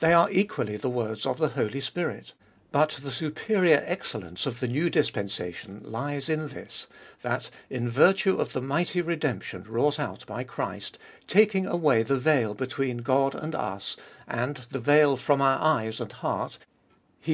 They are equally the words of the Holy Spirit. But the superior excellence of the new dispensation lies in this that, in virtue of the mighty redemption wrought out by Christ, taking away the veil between God and us, and the veil from our eyes and heart (Heb.